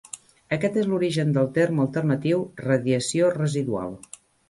Aquest és l'origen del terme alternatiu "radiació residual".